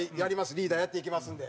リーダーやっていきますんで。